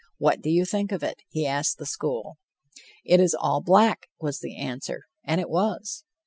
What do you think of it?" he asked the school. "It is all black," was the answer; and it was.